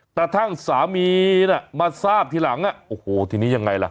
กระทั่งสามีน่ะมาทราบทีหลังโอ้โหทีนี้ยังไงล่ะ